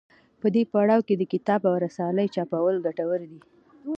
په دې پړاو کې د کتاب او رسالې چاپول ګټور دي.